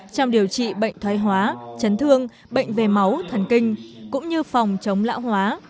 trong điều trị bệnh thoái hóa chấn thương bệnh về máu thần kinh cũng như phòng chống lão hóa